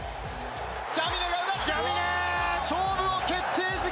ジャミネが奪った！